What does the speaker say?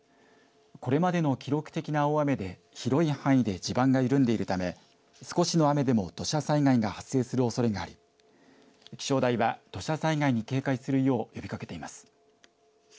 これまでの記録的な大雨で広い範囲で地盤が緩んでいるため少しの雨でも土砂災害が発生するおそれがあり気象台は土砂災害に警戒するよう呼びかけています。